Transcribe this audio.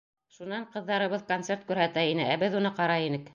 Шунан ҡыҙҙарыбыҙ концерт күрһәтә ине, ә беҙ уны ҡарай инек.